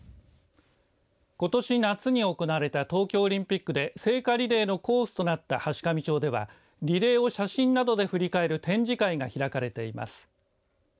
ことし夏に行われた東京オリンピックで聖火リレーのコースとなった階上町ではリレーを写真などで振り返る展示会が開かれています。